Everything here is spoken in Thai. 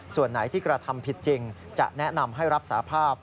ส่วนไหนที่กระทำผิดจริงจะแนะนำให้รับสาภาพ